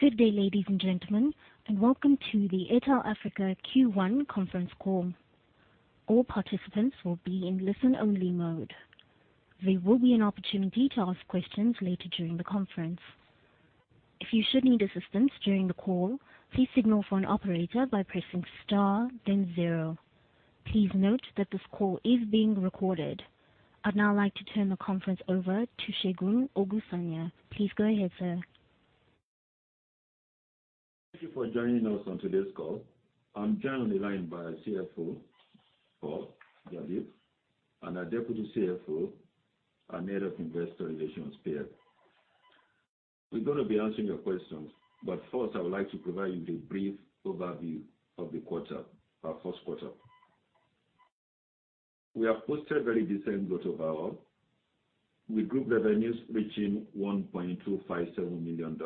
Good day, ladies and gentlemen, and welcome to the Airtel Africa Q1 Conference Call. All participants will be in listen-only mode. There will be an opportunity to ask questions later during the conference. If you should need assistance during the call, please signal for an operator by pressing star then zero. Please note that this call is being recorded. I'd now like to turn the conference over to Segun Ogunsanya. Please go ahead, sir. Thank you for joining us on today's call. I'm joined on the line by our CFO, Jaideep Paul, and our Deputy CFO and Head of Investor Relations, Pier Falcione. We're going to be answering your questions, but first I would like to provide you with a brief overview of the quarter, our first quarter. We have posted very decent growth overall, with group revenues reaching $1.257 million,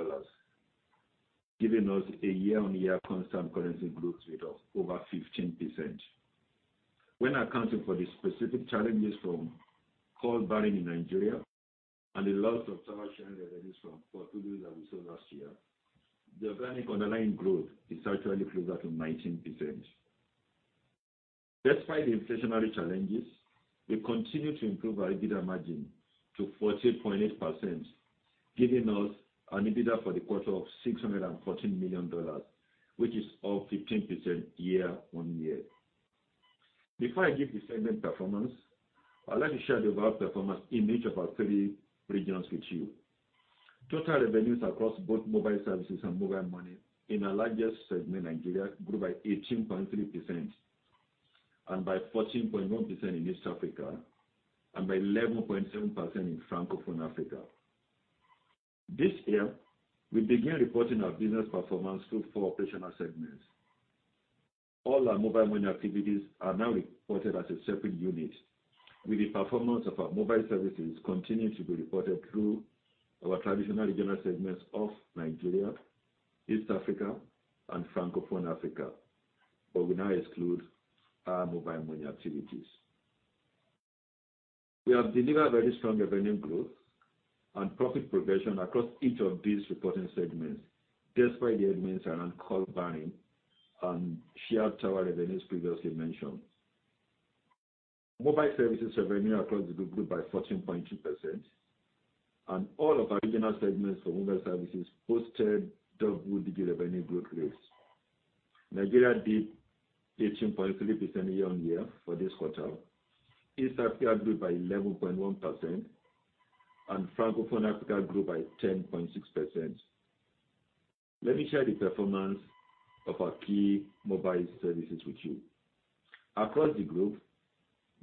giving us a year-on-year constant currency growth rate of over 15%. When accounting for the specific challenges from call barring in Nigeria and the loss of tower sharing revenues from Portugal that we saw last year, the organic underlying growth is actually closer to 19%. Despite the inflationary challenges, we continue to improve our EBITDA margin to 14.8%, giving us an EBITDA for the quarter of $614 million, which is up 15% year-on-year. Before I give the segment performance, I'd like to share the overall performance in each of our three regions with you. Total revenues across both mobile services and mobile money in our largest segment, Nigeria, grew by 18.3% and by 14.1% in East Africa and by 11.7% in Francophone Africa. This year, we began reporting our business performance through four operational segments. All our mobile money activities are now reported as a separate unit, with the performance of our mobile services continuing to be reported through our traditional regional segments of Nigeria, East Africa and Francophone Africa, but we now exclude our mobile money activities. We have delivered very strong revenue growth and profit progression across each of these reporting segments, despite the headwinds around call barring and shared tower revenues previously mentioned. Mobile services revenue across the group grew by 14.2%, and all of our regional segments for mobile services posted double-digit revenue growth rates. Nigeria did 18.3% year-on-year for this quarter. East Africa grew by 11.1%, and Francophone Africa grew by 10.6%. Let me share the performance of our key mobile services with you. Across the group,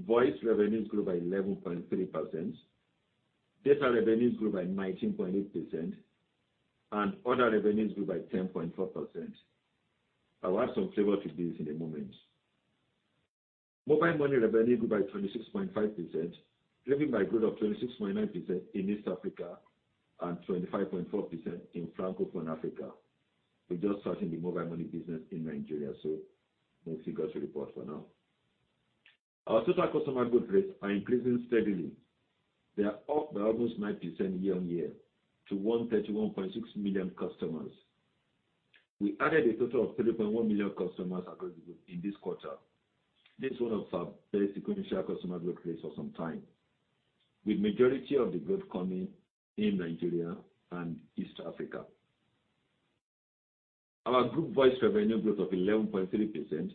voice revenues grew by 11.3%, data revenues grew by 19.8%, and other revenues grew by 10.4%. I'll add some flavor to these in a moment. Mobile money revenue grew by 26.5%, driven by growth of 26.9% in East Africa and 25.4% in Francophone Africa. We're just starting the mobile money business in Nigeria, so no figures to report for now. Our total customer growth rates are increasing steadily. They are up by almost 9% year-on-year to 131.6 million customers. We added a total of 3.1 million customers across the group in this quarter. This is one of our best sequential customer growth rates for some time. With majority of the growth coming in Nigeria and East Africa. Our group voice revenue growth of 11.3%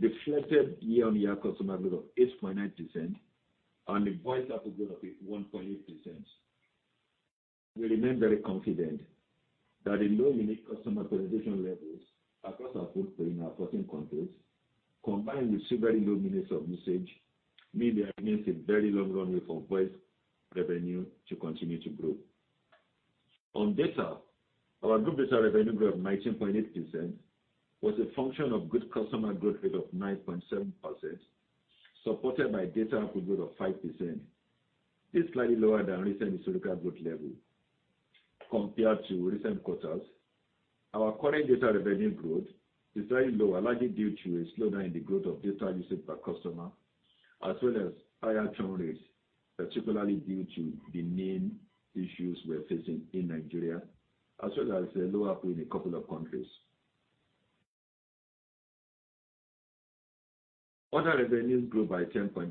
reflected year-on-year customer growth of 8.9% and a voice ARPU growth of 1.8%. We remain very confident that the low unique customer penetration levels across our footprint in our 14 countries, combined with severely low minutes of usage, mean there remains a very long runway for voice revenue to continue to grow. On data, our group data revenue growth of 19.8% was a function of good customer growth rate of 9.7%, supported by data ARPU growth of 5%. This is slightly lower than recent historical growth level compared to recent quarters. Our current data revenue growth is very low, largely due to a slowdown in the growth of data usage per customer, as well as higher churn rates, particularly due to the main issues we're facing in Nigeria, as well as a low ARPU in a couple of countries. Other revenues grew by 10.4%.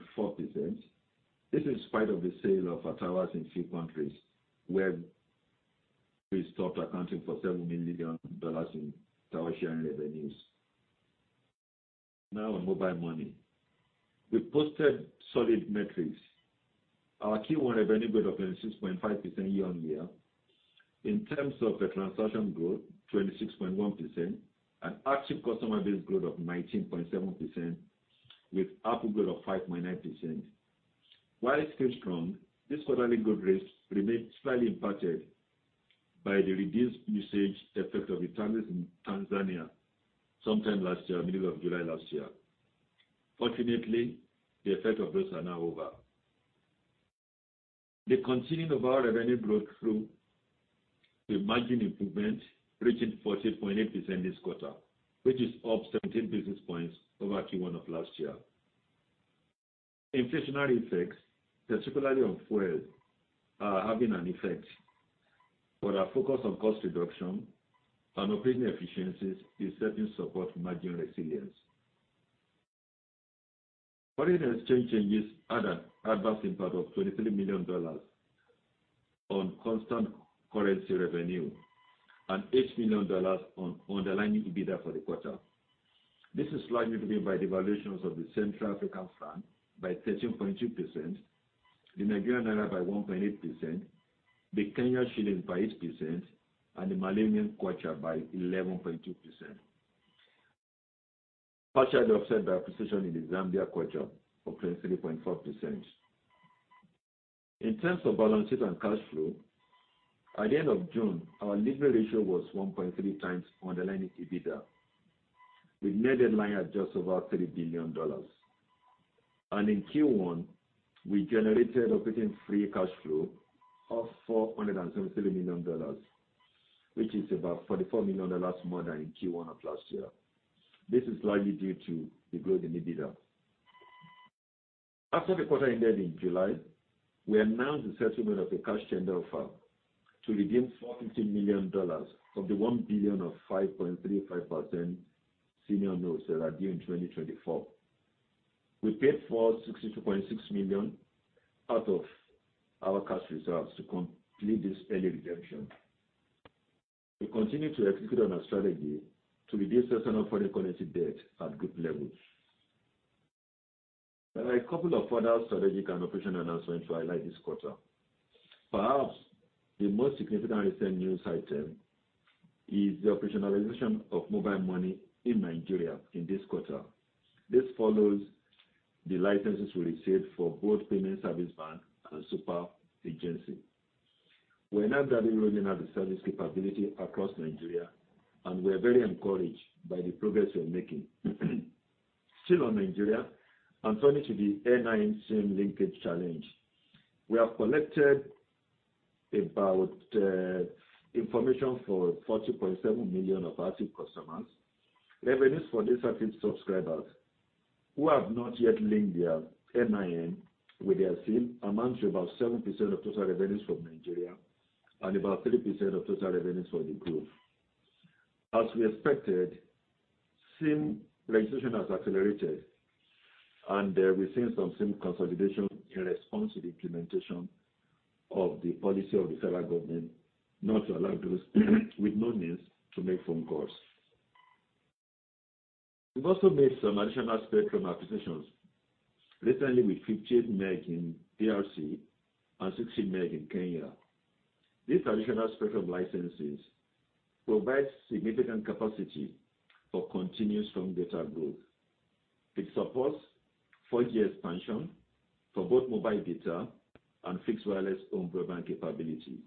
This is in spite of the sale of our towers in a few countries, where we stopped accounting for $7 million in tower sharing revenues. Now on mobile money. We posted solid metrics. Our Q1 revenue growth of 26.5% year-on-year. In terms of the transaction growth, 26.1% and active customer base growth of 19.7% with ARPU growth of 5.9%. While it seems strong, this quarterly growth rates remain slightly impacted by the reduced usage effect of e-levy in Tanzania sometime last year, middle of July last year. Fortunately, the effect of those are now over. The continuing of our revenue growth through the margin improvement reaching 14.8% this quarter, which is up 17 basis points over Q1 of last year. Inflationary effects, particularly on fuel, are having an effect. Our focus on cost reduction and operating efficiencies is helping support margin resilience. Foreign exchange changes had an adverse impact of $23 million on constant currency revenue and $8 million on underlying EBITDA for the quarter. This is largely driven by devaluations of the Central African franc by 13.2%, the Nigerian naira by 1.8%, the Kenyan shilling by 8%, and the Malawian kwacha by 11.2%. Partially offset by appreciation in the Zambia kwacha of 23.4%. In terms of balance sheet and cash flow, at the end of June, our leverage ratio was 1.3x underlying EBITDA. Our net debt was just over $3 billion. In Q1, we generated operating free cash flow of $470 million, which is about $44 million more than in Q1 of last year. This is largely due to the growth in EBITDA. After the quarter ended in July, we announced the settlement of a cash tender offer to redeem $450 million of the $1 billion of 5.35% senior notes that are due in 2024. We paid $462.6 million out of our cash reserves to complete this early redemption. We continue to execute on our strategy to reduce personal foreign currency debt at group levels. There are a couple of other strategic and operational announcements to highlight this quarter. Perhaps the most significant recent news item is the operationalization of Mobile Money in Nigeria in this quarter. This follows the licenses we received for both Payment Service Bank and Super Agent. We're now gradually rolling out the service capability across Nigeria, and we are very encouraged by the progress we're making. Still on Nigeria and turning to the NIN-SIM linkage challenge. We have collected information for about 40.7 million active customers. Revenues for these active subscribers who have not yet linked their NIN with their SIM amount to about 7% of total revenues from Nigeria and about 3% of total revenues for the group. As we expected, SIM registration has accelerated, and we're seeing some SIM consolidation in response to the implementation of the policy of the federal government not to allow those with no means to make phone calls. We've also made some additional spectrum acquisitions. Recently, with 15 MHz in DRC and 16 MHz in Kenya. These additional spectrum licenses provide significant capacity for continuous strong data growth. It supports 4G expansion for both mobile data and fixed wireless home broadband capability,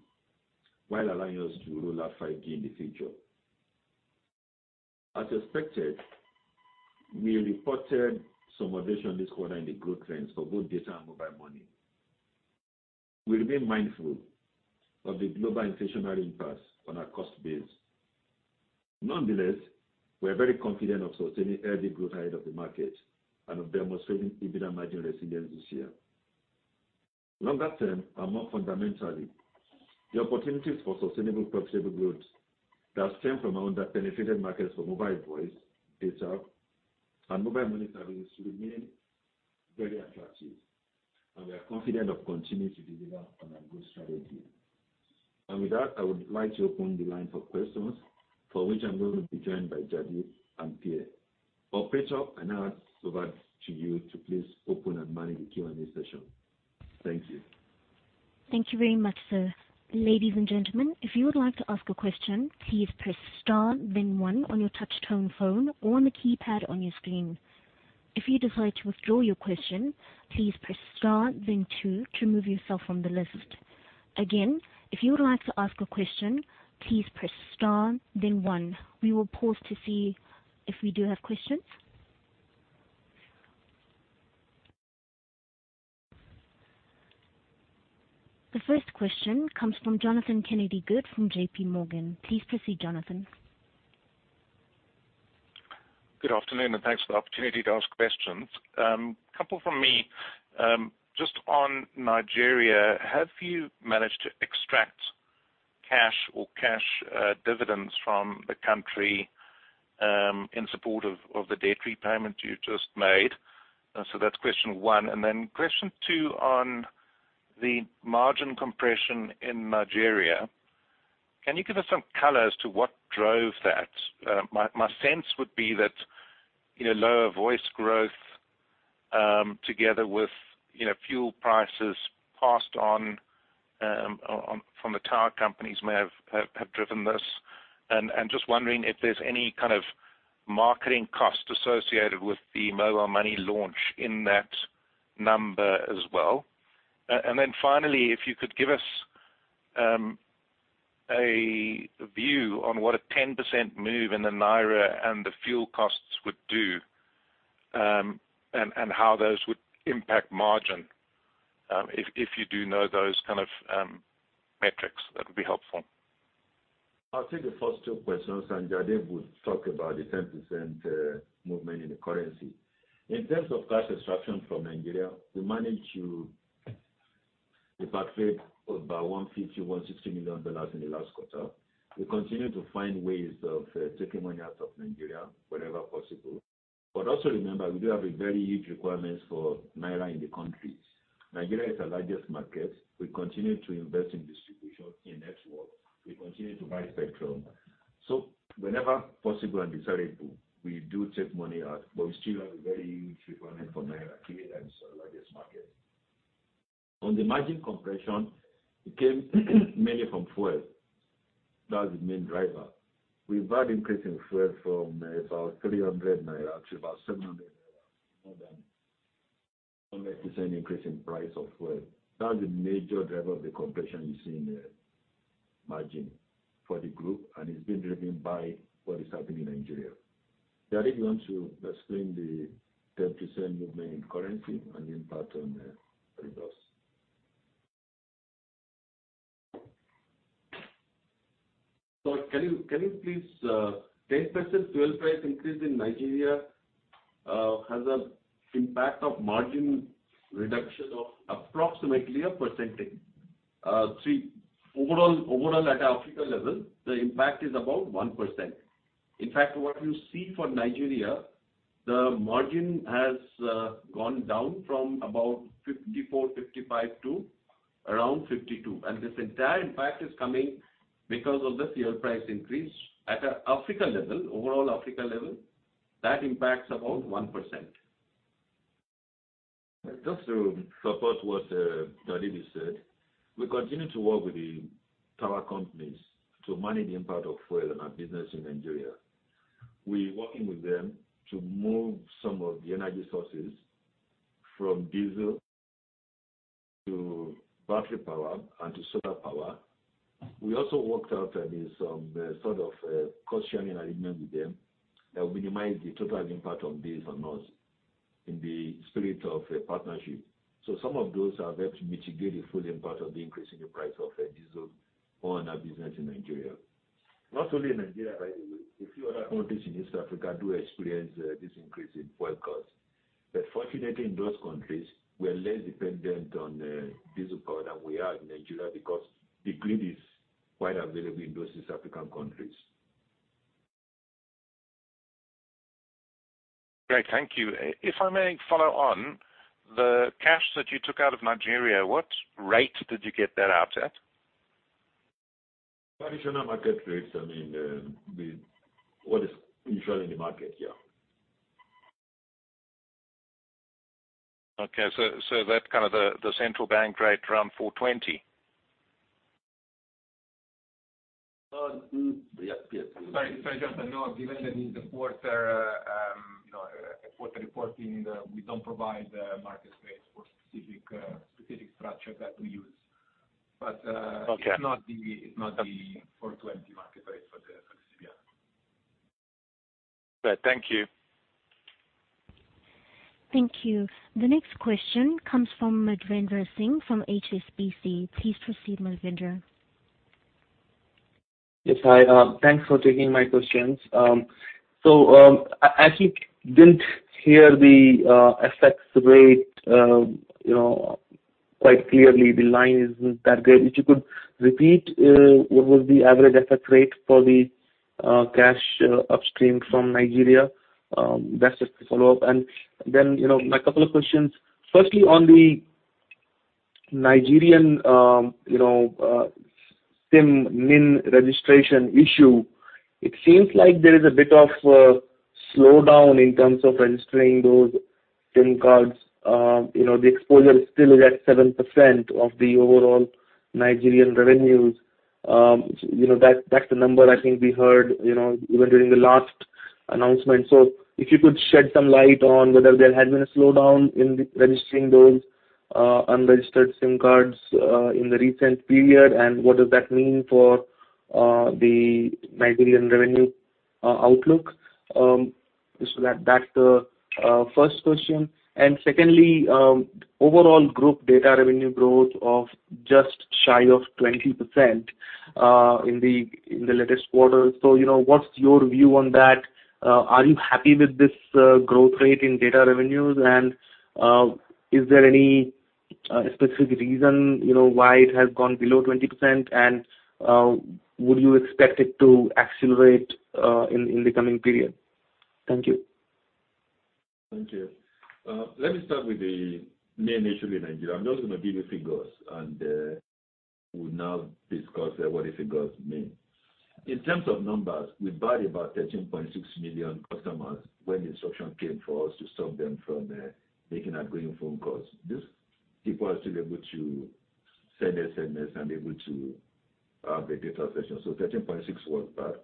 while allowing us to roll out 5G in the future. As expected, we reported some addition this quarter in the growth trends for both data and Airtel Money. We remain mindful of the global inflationary impact on our cost base. Nonetheless, we are very confident of sustaining healthy growth ahead of the market and of demonstrating EBITDA margin resilience this year. Longer term and more fundamentally, the opportunities for sustainable profitable growth that stem from our underpenetrated markets for mobile voice, data, and mobile money services remain very attractive. We are confident of continuing to deliver on our growth strategy. With that, I would like to open the line for questions for which I'm going to be joined by Jaideep Paul and Pier Falcione. Operator, I now hand over to you to please open and manage the Q&A session. Thank you. Thank you very much, sir. Ladies and gentlemen, if you would like to ask a question, please press star then one on your touchtone phone or on the keypad on your screen. If you'd like to withdraw your question, please press star then two to remove yourself from the list. Again, if you would like to ask a question, please press star then one. We will pause to see if we do have questions. The first question comes from Jonathan Kennedy-Good from J.P. Morgan. Please proceed, Jonathan. Good afternoon, and thanks for the opportunity to ask questions. Couple from me. Just on Nigeria, have you managed to extract cash dividends from the country in support of the debt repayment you just made? So that's question one. Question two on the margin compression in Nigeria. Can you give us some color as to what drove that? My sense would be that, you know, lower voice growth together with, you know, fuel prices passed on from the tower companies may have driven this. Just wondering if there's any kind of marketing cost associated with the Airtel Money launch in that number as well. Finally, if you could give us a view on what a 10% move in the naira and the fuel costs would do, and how those would impact margin. If you do know those kind of metrics, that would be helpful. I'll take the first two questions, and Jaideep would talk about the 10% movement in the currency. In terms of cash extraction from Nigeria, we managed to repatriate about $150 million-$160 million in the last quarter. We continue to find ways of taking money out of Nigeria wherever possible. Also remember, we do have a very huge requirements for naira in the country. Nigeria is our largest market. We continue to invest in distribution, in network. We continue to buy spectrum. Whenever possible and desirable, we do take money out, but we still have a very huge requirement for naira, given that it's our largest market. On the margin compression, it came mainly from fuel. That's the main driver. We've had increase in fuel from about 300 naira to about 700 naira. More than 100% increase in price of fuel. That's the major driver of the compression you see in the margin for the group, and it's been driven by what is happening in Nigeria. Jaideep Paul, you want to explain the 10% movement in currency and the impact on results? 10% fuel price increase in Nigeria has an impact of margin reduction of approximately 1%. See, overall at Africa level, the impact is about 1%. In fact, what you see for Nigeria, the margin has gone down from about 54-55 to around 52. This entire impact is coming because of the fuel price increase. At Africa level, overall Africa level, that impacts about 1%. Just to support what Jaideep Paul has said, we continue to work with the power companies to manage the impact of fuel on our business in Nigeria. We're working with them to move some of the energy sources from diesel to battery power and to solar power. We also worked out, I mean, some sort of cost sharing arrangement with them that will minimize the total impact on us in the spirit of a partnership. Some of those have helped mitigate the full impact of the increase in the price of diesel on our business in Nigeria. Not only in Nigeria, by the way, a few other countries in East Africa do experience this increase in fuel costs. Fortunately in those countries, we are less dependent on diesel power than we are in Nigeria because the grid is quite available in those East African countries. Great. Thank you. If I may follow on, the cash that you took out of Nigeria, what rate did you get that out at? Traditional market rates. I mean, what is usual in the market, yeah. Okay. That's kind of the Central Bank rate around 4.20%. Yes. Sorry, Jonathan Kennedy-Good. No, given that in the quarterly reporting, we don't provide market rates for specific structure that we use. Okay. It's not the 420 market rate for the CBN. Great. Thank you. Thank you. The next question comes from Madhvendra Singh from HSBC. Please proceed, Madhvendra. Yes. Hi, thanks for taking my questions. I think didn't hear the FX rate, you know, quite clearly. The line isn't that great. If you could repeat what was the average FX rate for the cash upstream from Nigeria? That's just a follow-up. Then, you know, my couple of questions. Firstly, on the Nigerian SIM NIN registration issue, it seems like there is a bit of a slowdown in terms of registering those SIM cards. You know, the exposure still is at 7% of the overall Nigerian revenues. You know, that's the number I think we heard, you know, even during the last announcement. If you could shed some light on whether there has been a slowdown in the registering those unregistered SIM cards in the recent period, and what does that mean for the Nigerian revenue outlook. That that's the first question. Secondly, overall group data revenue growth of just shy of 20% in the latest quarter. You know, what's your view on that? Are you happy with this growth rate in data revenues? Is there any specific reason, you know, why it has gone below 20%? Would you expect it to accelerate in the coming period? Thank you. Thank you. Let me start with the NIN issue in Nigeria. I'm just going to give you figures, and we'll now discuss what the figures mean. In terms of numbers, we barred about 13.6 million customers when the instruction came for us to stop them from making outgoing phone calls. These people are still able to send SMS and able to have a data session. 13.6 was barred.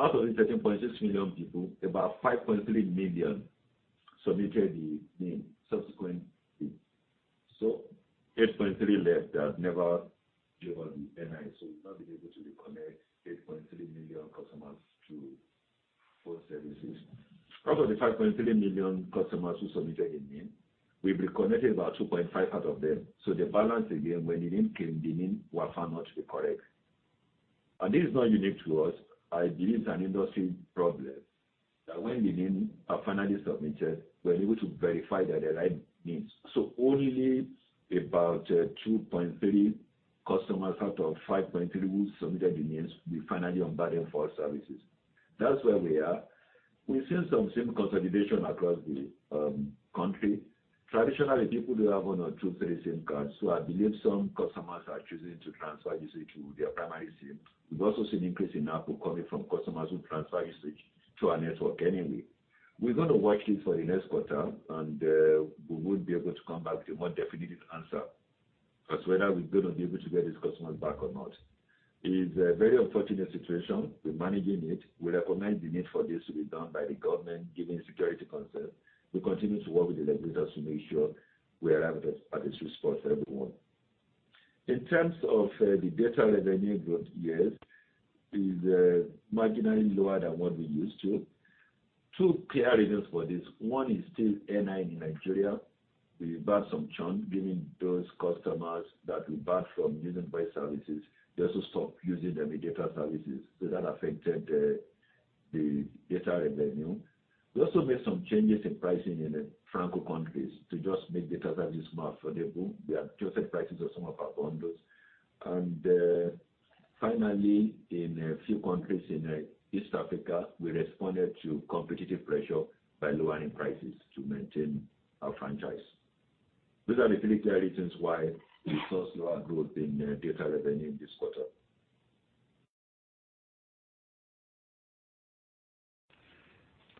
Out of the 13.6 million people, about 5.3 million submitted the NIN subsequently. 8.3 left that never gave us the NIN, so we've not been able to reconnect 8.3 million customers to full services. Out of the 5.3 million customers who submitted a NIN, we've reconnected about 2.5 out of them. The balance again, when the NIN came, the NIN were found not to be correct. This is not unique to us. I believe it's an industry problem, that when the NIN are finally submitted, we're able to verify that they're right NINs. Only about 2.3 customers out of 5.3 who submitted the NINs, we finally onboarded for our services. That's where we are. We've seen some SIM consolidation across the country. Traditionally, people do have one or two, three SIM cards, so I believe some customers are choosing to transfer usage to their primary SIM. We've also seen increase in ARPU coming from customers who transfer usage to our network anyway. We're gonna watch this for the next quarter and we would be able to come back with a more definitive answer as to whether we're gonna be able to get these customers back or not. It is a very unfortunate situation. We're managing it. We recognize the need for this to be done by the government, given security concerns. We continue to work with the regulators to make sure we arrive at a solution for everyone. In terms of the data revenue growth, yes, is marginally lower than what we're used to. Two clear reasons for this. One is still NIN-SIM in Nigeria. We lost some churn, meaning those customers that we barred from using voice services, they also stopped using the mobile data services. That affected the data revenue. We also made some changes in pricing in the Francophone countries to just make data services more affordable. We have adjusted prices of some of our bundles. Finally, in a few countries in East Africa, we responded to competitive pressure by lowering prices to maintain our franchise. Those are the three clear reasons why we saw slower growth in data revenue in this quarter.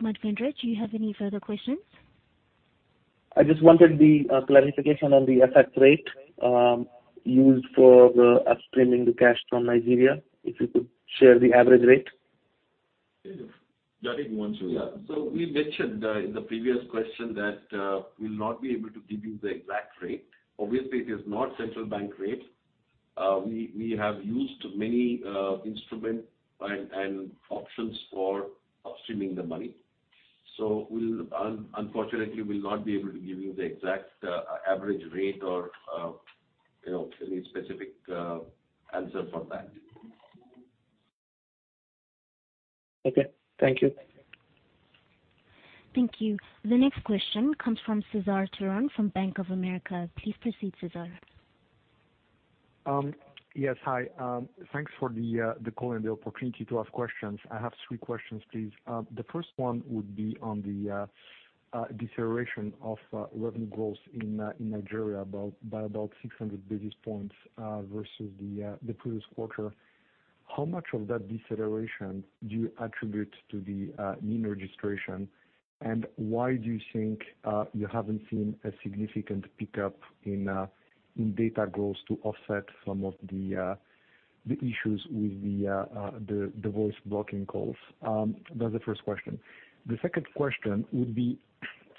Madhvendra, do you have any further questions? I just wanted the clarification on the FX rate used for upstreaming the cash from Nigeria, if you could share the average rate. Yeah. Jaideep, why don't you? Yeah. We mentioned in the previous question that we'll not be able to give you the exact rate. Obviously, it is not central bank rate. We have used many instruments and options for upstreaming the money. We'll unfortunately not be able to give you the exact average rate or, you know, any specific answer for that. Okay. Thank you. Thank you. The next question comes from Cesar Tiron from Bank of America. Please proceed, Cesar. Yes, hi. Thanks for the call and the opportunity to ask questions. I have three questions, please. The first one would be on the deceleration of revenue growth in Nigeria by about 600 basis points versus the previous quarter. How much of that deceleration do you attribute to the NIN registration? And why do you think you haven't seen a significant pickup in data growth to offset some of the issues with the voice blocking calls? That's the first question. The second question would be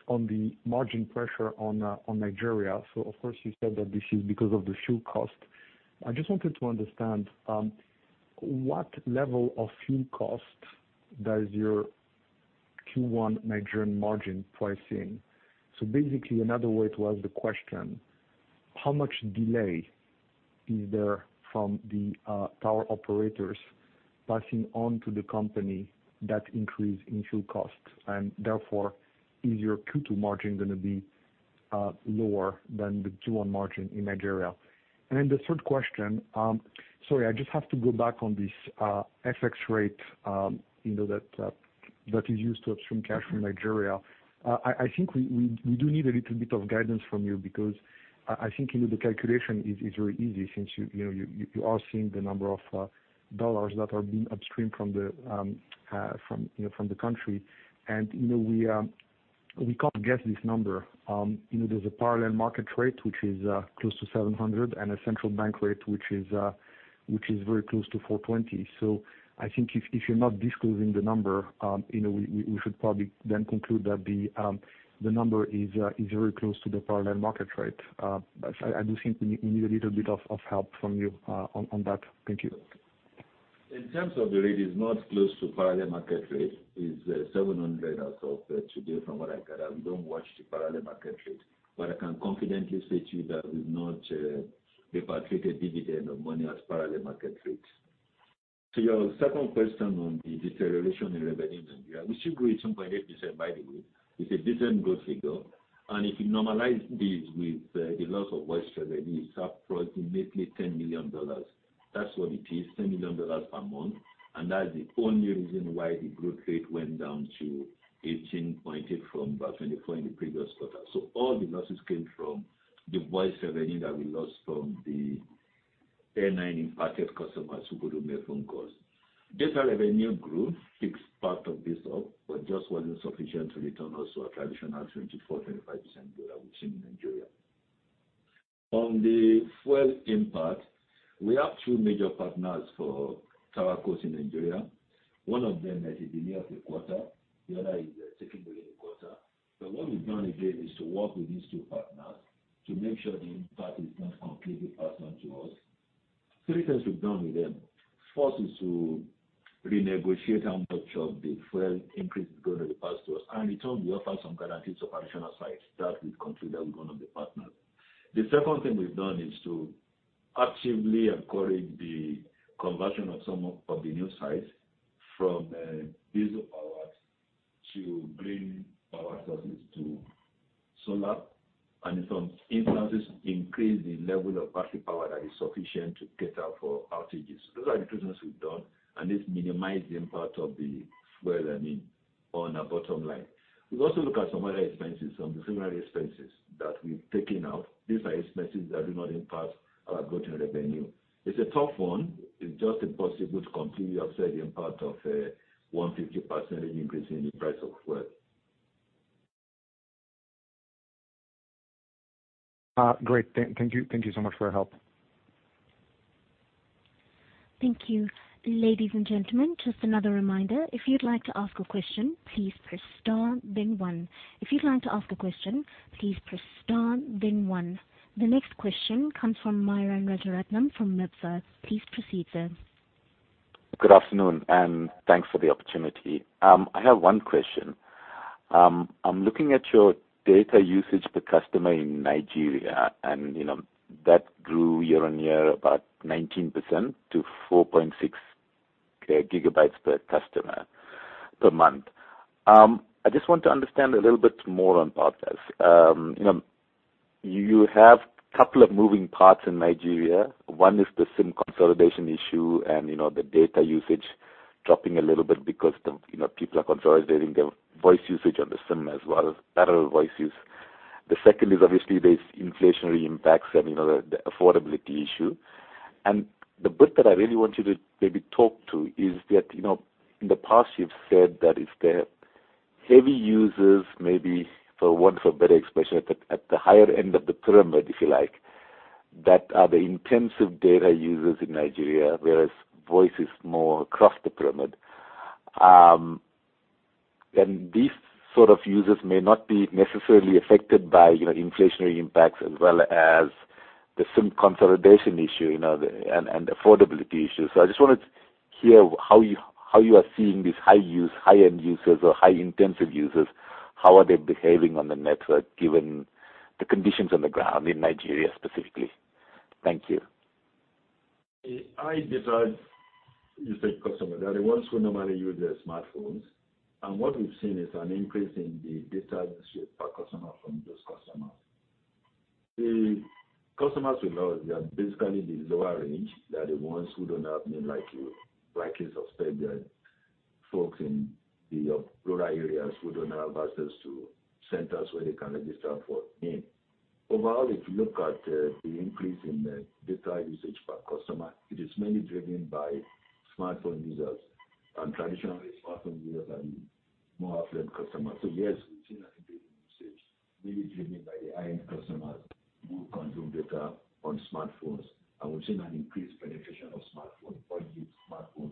on the margin pressure on Nigeria. Of course, you said that this is because of the fuel cost. I just wanted to understand what level of fuel cost does your Q1 Nigerian margin price in? Basically, another way to ask the question, how much delay is there from the power operators passing on to the company the increase in fuel costs? Therefore, is your Q2 margin gonna be lower than the Q1 margin in Nigeria? The third question. Sorry, I just have to go back on this FX rate, you know, that is used to upstream cash from Nigeria. I think we do need a little bit of guidance from you because I think, you know, the calculation is very easy since you know, you are seeing the number of dollars that are being upstreamed from, you know, from the country. You know, we can't guess this number. You know, there's a parallel market rate, which is close to 700 and a central bank rate, which is very close to 420. I think if you're not disclosing the number, you know, we should probably then conclude that the number is very close to the parallel market rate. I do think we need a little bit of help from you on that. Thank you. In terms of the rate, it's not close to parallel market rate. It's 700 or so today from what I gather. We don't watch the parallel market rate. I can confidently say to you that we've not repatriated dividend or money as parallel market rates. To your second question on the deterioration in revenue in Nigeria, which you grew 8.8%, by the way, it's a decent growth figure. If you normalize this with the loss of voice revenue, it's approximately $10 million. That's what it is, $10 million per month. That's the only reason why the growth rate went down to 18.8% from about 24% in the previous quarter. All the losses came from the voice revenue that we lost from the NIN-SIM impacted customers who couldn't make phone calls. Data revenue growth picks part of this up, but just wasn't sufficient to return us to our traditional 24%-25% growth that we've seen in Nigeria. On the fuel impact, we have two major partners for power companies in Nigeria. One of them is in the first quarter, the other is second quarter. What we've done again is to work with these two partners to make sure the impact is not completely passed on to us. Three things we've done with them. First is to renegotiate how much of the fuel increase is gonna be passed to us. In turn, we offer some guarantees of additional sites that we've concluded with one of the partners. The second thing we've done is to actively encourage the conversion of some of the new sites from diesel power to green power sources, to solar, and in some instances, increase the level of battery power that is sufficient to cater for outages. Those are the two things we've done, and it's minimized the impact of the fuel, I mean, on our bottom line. We've also looked at some other expenses, some of the similar expenses that we've taken out. These are expenses that do not impact our growth and revenue. It's a tough one. It's just impossible to completely offset the impact of 150% increase in the price of fuel. Great. Thank you. Thank you so much for your help. Thank you. Ladies and gentlemen, just another reminder. If you'd like to ask a question, please press star then one. If you'd like to ask a question, please press star then one. The next question comes from Myuran Rajaratnam from MIBFA. Please proceed, sir. Good afternoon, and thanks for the opportunity. I have one question. I'm looking at your data usage per customer in Nigeria and, you know, that grew year-on-year about 19% to 4.6 GB per customer per month. I just want to understand a little bit more about this. You know, you have couple of moving parts in Nigeria. One is the SIM consolidation issue and, you know, the data usage dropping a little bit because the, you know, people are consolidating their voice usage on the SIM as well as parallel voice use. The second is obviously there's inflationary impacts and, you know, the affordability issue. The bit that I really want you to maybe talk to is that, you know, in the past you've said that if the heavy users maybe, for want of a better expression, at the higher end of the pyramid, if you like, that are the intensive data users in Nigeria, whereas voice is more across the pyramid. These sort of users may not be necessarily affected by, you know, inflationary impacts as well as the SIM consolidation issue, you know, the affordability issue. I just wanted to hear how you are seeing these high use, high-end users or high intensive users, how are they behaving on the network given the conditions on the ground in Nigeria specifically? Thank you. The high data usage customer, they're the ones who normally use their smartphones. What we've seen is an increase in the data usage per customer from those customers. The customers we lost, they are basically the lower range. They are the ones who don't have, you know, like your brackets of spend. They are folks in the rural areas who don't have access to centers where they can register for SIM. Overall, if you look at the increase in data usage per customer, it is mainly driven by smartphone users. Traditionally, smartphone users are the more affluent customers. Yes, we've seen an increase in usage, mainly driven by the high-end customers who consume data on smartphones. We've seen an increased penetration of smartphone or used smartphone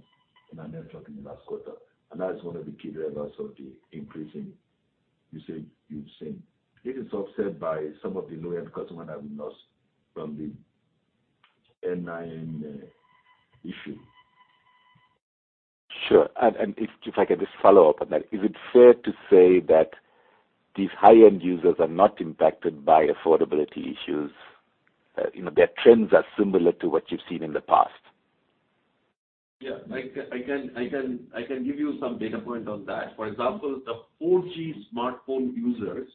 in our network in the last quarter. That is one of the key drivers of the increase in usage you've seen. It is offset by some of the low-end customer that we lost from the NIN issue. Sure. If I could just follow up on that. Is it fair to say that these high-end users are not impacted by affordability issues? You know, their trends are similar to what you've seen in the past. I can give you some data point on that. For example, the 4G smartphone users,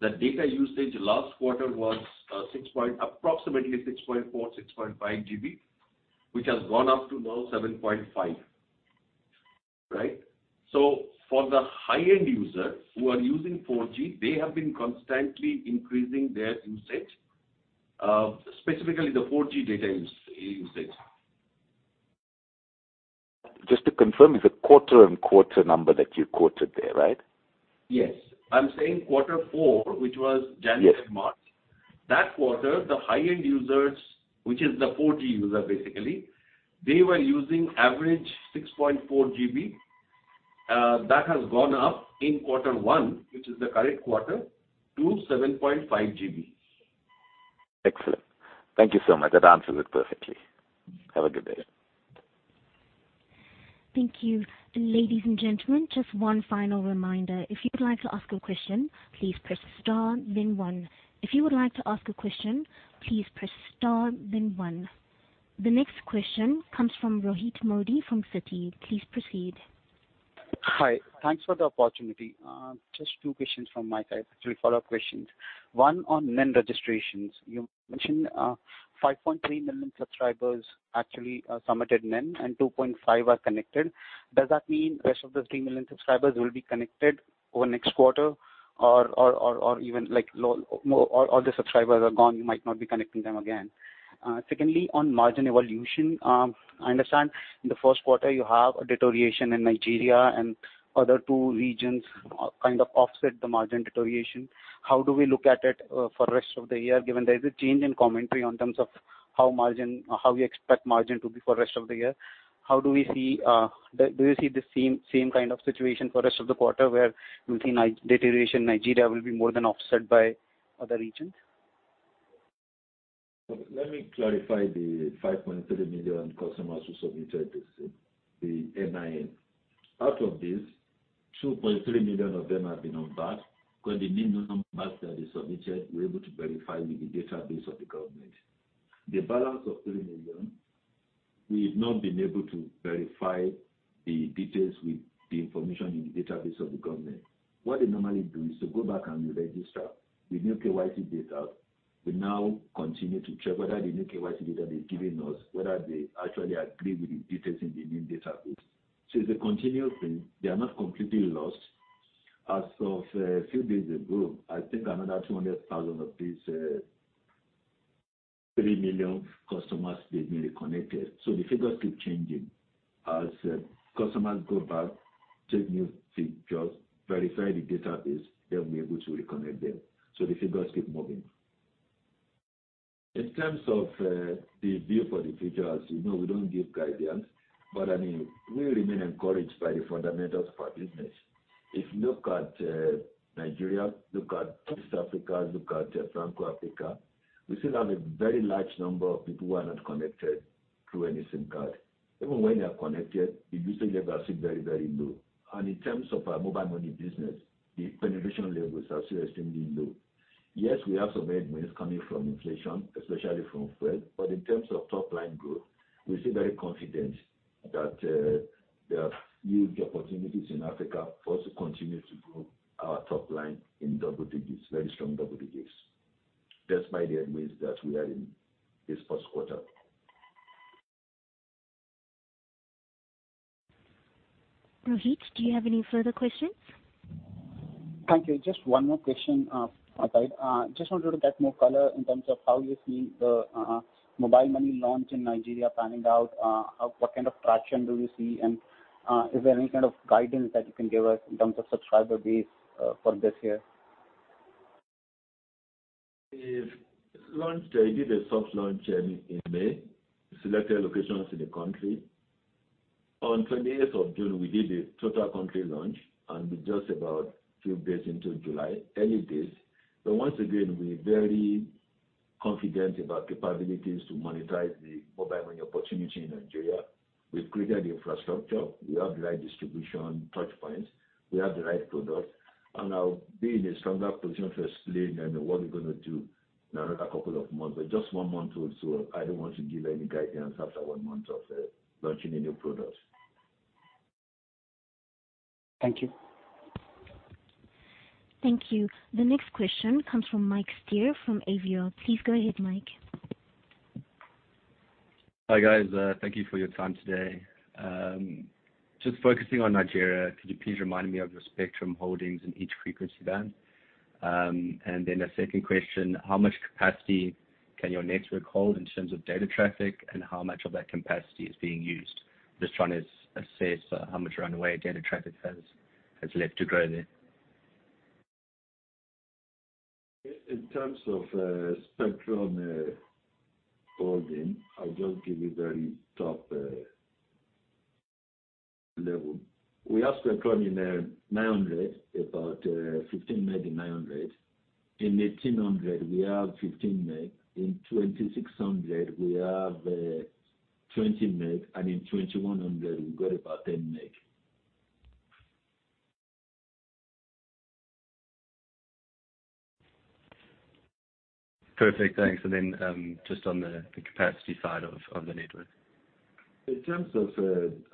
the data usage last quarter was approximately 6.4 GB-6.5 GB, which has gone up to 7.5 GB now. Right. For the high-end users who are using 4G, they have been constantly increasing their usage, specifically the 4G data usage. Just to confirm, it's a quarter-over-quarter number that you quoted there, right? Yes. I'm saying quarter four, which was January to March. Yes. That quarter, the high-end users, which is the 4G user, basically, they were using average 6.4 GB. That has gone up in quarter one, which is the current quarter, to 7.5 GB. Excellent. Thank you so much. That answers it perfectly. Have a good day. Thank you. Ladies and gentlemen, just one final reminder. If you'd like to ask a question, please press star then one. The next question comes from Rohit Modi from Citi. Please proceed. Hi. Thanks for the opportunity. Just two questions from my side. Three follow-up questions. One on NIN registrations. You mentioned, 3.5 Million subscribers actually submitted NIN and 2.5 million Are connected. Does that mean rest of the 3 million subscribers will be connected over next quarter or even like all the subscribers are gone, you might not be connecting them again? Secondly, on margin evolution, I understand in the first quarter you have a deterioration in Nigeria and other two regions, kind of offset the margin deterioration. How do we look at it, for rest of the year, given there is a change in commentary on terms of how margin or how we expect margin to be for rest of the year? How do we see, do you see the same kind of situation for rest of the quarter where we'll see deterioration in Nigeria will be more than offset by- Other regions? Let me clarify the 5.3 million customers who submitted the SIM, the NIN. Out of these, 2.3 million of them have been unbarred because the NINs that they submitted, we're able to verify with the database of the government. The balance of 3 million, we've not been able to verify the details with the information in the database of the government. What they normally do is to go back and re-register with new KYC data. We now continue to check whether the new KYC data they're giving us, whether they actually agree with the details in the new database. It's a continuous thing. They are not completely lost. As of a few days ago, I think another 200,000 of these 3 million customers, they've been reconnected. The figures keep changing. As customers go back, take new figures, verify the database, then we're able to reconnect them. The figures keep moving. In terms of the view for the future, as you know, we don't give guidance, but I mean, we remain encouraged by the fundamentals of our business. If you look at Nigeria, look at East Africa, look at Franco-Africa, we still have a very large number of people who are not connected through any SIM card. Even when they are connected, the usage levels are still very, very low. In terms of our mobile money business, the penetration levels are still extremely low. Yes, we have some headwinds coming from inflation, especially from fuel. In terms of top line growth, we're still very confident that there are huge opportunities in Africa for us to continue to grow our top line in double digits, very strong double digits, despite the headwinds that we are in this first quarter. Rohit, do you have any further questions? Thank you. Just one more question, Ade. Just wanted to get more color in terms of how you see the mobile money launch in Nigeria panning out. What kind of traction do you see? Is there any kind of guidance that you can give us in terms of subscriber base for this year? On launch day, we did a soft launch in May, selected locations in the country. On the 20th of June, we did a total country launch, and we're just a few days into July, early days. Once again, we're very confident about capabilities to monetize the mobile money opportunity in Nigeria. We've created the infrastructure. We have the right distribution touchpoints. We have the right product. I'll be in a stronger position to explain then what we're gonna do in another couple of months, but just one month old, so I don't want to give any guidance after one month of launching a new product. Thank you. Thank you. The next question comes from Mike Steer from AVL. Please go ahead, Mike. Hi, guys. Thank you for your time today. Just focusing on Nigeria, could you please remind me of your spectrum holdings in each frequency band? A second question, how much capacity can your network hold in terms of data traffic, and how much of that capacity is being used? Just trying to assess how much runway data traffic has left to grow there. In terms of spectrum holding, I'll just give you very top level. We have spectrum in 900, about 15 meg in 900. In 1800, we have 15 meg. In 2600, we have 20 meg. In 2100, we've got about 10 meg. Perfect. Thanks. Just on the capacity side of the network. In terms of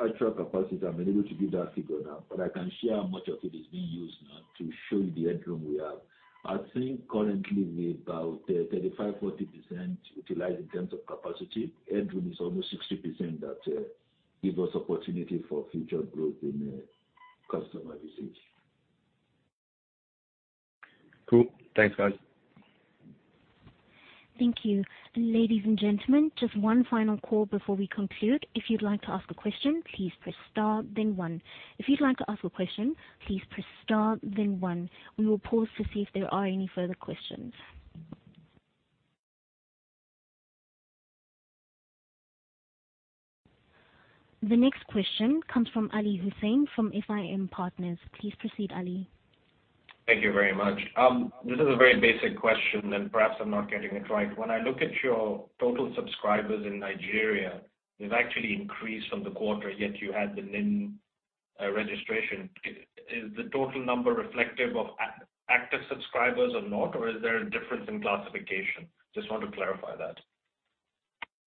actual capacity, I'm unable to give that figure now, but I can share how much of it is being used now to show you the headroom we have. I think currently we're about 35%-40% utilized in terms of capacity. Headroom is almost 60% that give us opportunity for future growth in customer usage. Cool. Thanks, guys. Thank you. Ladies and gentlemen, just one final call before we conclude. If you'd like to ask a question, please press star then one. We will pause to see if there are any further questions. The next question comes from Ali Hussein from FIM Partners. Please proceed, Ali. Thank you very much. This is a very basic question, and perhaps I'm not getting it right. When I look at your total subscribers in Nigeria, they've actually increased from the quarter, yet you had the NIN registration. Is the total number reflective of active subscribers or not, or is there a difference in classification? Just want to clarify that.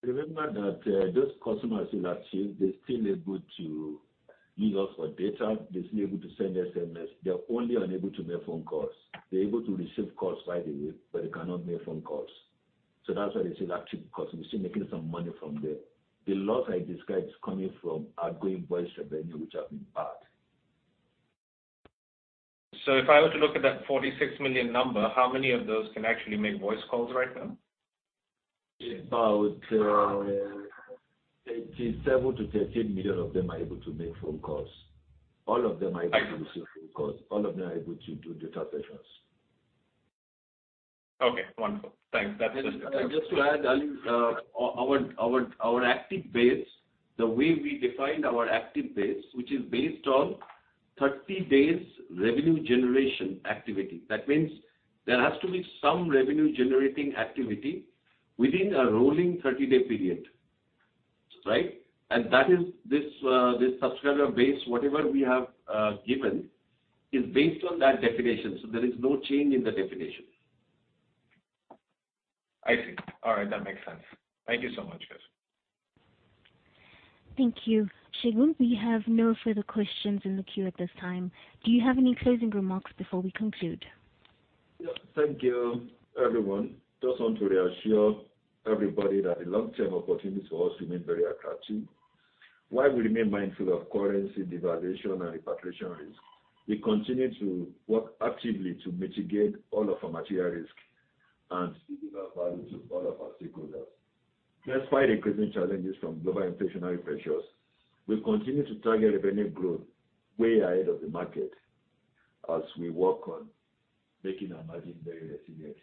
Remember that, those customers who are active, they're still able to use us for data. They're still able to send SMS. They're only unable to make phone calls. They're able to receive calls by the way, but they cannot make phone calls. That's why they're still active customers. We're still making some money from there. The loss I described is coming from outgoing voice revenue, which have been barred. If I were to look at that 46 million number, how many of those can actually make voice calls right now? About 87 million-130 million of them are able to make phone calls. All of them are able to receive phone calls. All of them are able to do data sessions. Okay, wonderful. Thanks. That's just- Just to add, Ali, our active base, the way we defined our active base, which is based on 30 days revenue generation activity. That means there has to be some revenue generating activity within a rolling 30-day period. Right? That is this subscriber base, whatever we have given is based on that definition. There is no change in the definition. I see. All right, that makes sense. Thank you so much, guys. Thank you. Segun, we have no further questions in the queue at this time. Do you have any closing remarks before we conclude? Yeah. Thank you, everyone. Just want to reassure everybody that the long-term opportunities for us remain very attractive. While we remain mindful of currency devaluation and repatriation risk, we continue to work actively to mitigate all of our material risk and deliver value to all of our stakeholders. Despite increasing challenges from global inflationary pressures, we continue to target revenue growth way ahead of the market as we work on making our margin very resilient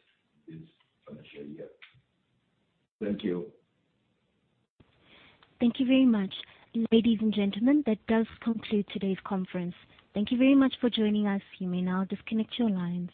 this financial year. Thank you. Thank you very much. Ladies and gentlemen, that does conclude today's conference. Thank you very much for joining us. You may now disconnect your lines.